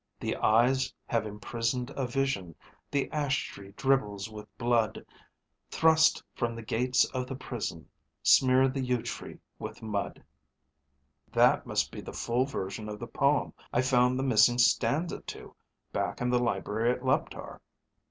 _ _The eyes have imprisoned a vision, the ash tree dribbles with blood. Thrust from the gates of the prison, smear the yew tree with mud._ "That must be the full version of the poem I found the missing stanza to back in the library at Leptar."